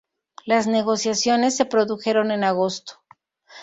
Las negociaciones se produjeron en agosto.